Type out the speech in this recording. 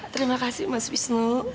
terima kasih mas wisnu